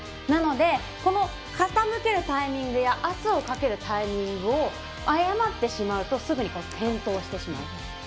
なので、この傾けるタイミングや圧をかけるタイミングを誤ってしまうとすぐに転倒してしまう。